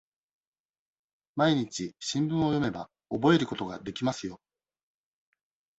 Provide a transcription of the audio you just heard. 毎日、新聞を読めば、覚えることができますよ。